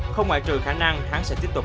không ngoại trừ khả năng hắn sẽ tiếp tục